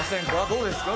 どうですか？